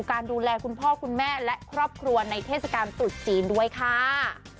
การดูแลคุณพ่อคุณแม่และครอบครัวในเทศกาลตรุษจีนด้วยค่ะ